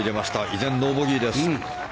依然、ノーボギーです。